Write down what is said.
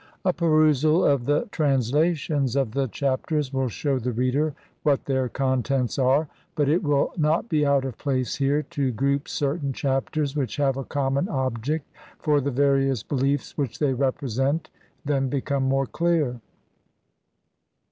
A perusal of the translations of the Chapters will shew the reader what their contents are, but it will not be out of place here to group certain Chap ters which have a common object, for the various be liefs which they represent then become more clear.